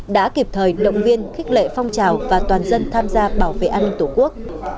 đã kịp thời động viên khích lệ phong trào và toàn dân tham gia bảo vệ an ninh tổ quốc